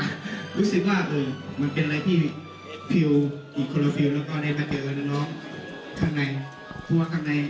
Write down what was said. รู้สึกว่าเออมันเป็นอะไรที่ฟิลล์อีกคนละฟิลล์แล้วก็ได้มาเจอกับน้องน้องข้างใน